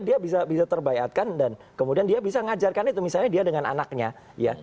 dia bisa terbayatkan dan kemudian dia bisa mengajarkan itu misalnya dia dengan anaknya ya